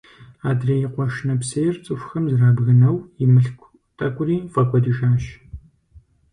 Адрей къуэш нэпсейр цӀыхухэм зэрабгынэу, и мылъку тӀэкӀури фӀэкӀуэдыжащ.